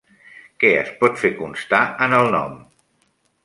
Què es pot fer constar en el nom?